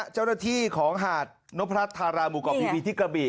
เจ้าหน้าที่ของหาดนพรัชธาราหมู่เกาะพีวีที่กระบี่